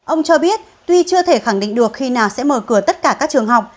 ông cho biết tuy chưa thể khẳng định được khi nào sẽ mở cửa tất cả các trường học